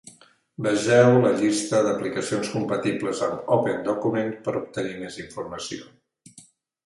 Vegeu la llista d'aplicacions compatibles amb OpenDocument per obtenir més informació